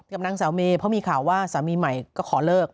กับนางสาวเมย์เพราะมีข่าวว่าสามีใหม่ก็ขอเลิก